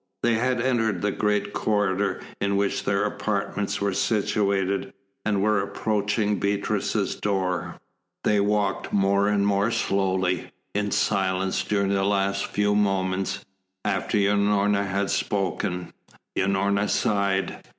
They had entered the great corridor in which their apartments were situated, and were approaching Beatrice's door. They walked more and more slowly, in silence during the last few moments, after Unorna had spoken. Unorna sighed.